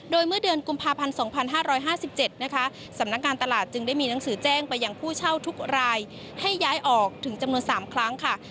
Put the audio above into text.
โดยเมื่อเดือนกุมภาพันธ์๒๕๕๗นะคะสำนักงานตลาดจึงได้มีหนังสือแจ้งไปยังผู้เช่าทุกรายให้ย้ายออกถึงจำนวน๓ครั้งค่ะ